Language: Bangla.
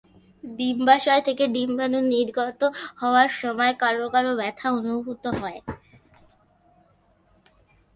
ডিম্বাশয় থেকে ডিম্বাণু নির্গত হওয়ার সময় কারও কারও ব্যথা অনুভূত হয়।